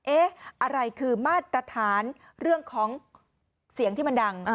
อะไรคือมาตรฐานเรื่องของเสียงที่มันดัง